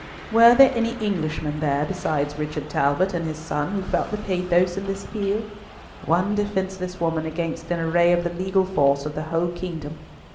Were there any Englishmen there besides Richard Talbot and his son who felt the pathos of this appeal? One defenceless woman against an array of the legal force of the whole kingdom.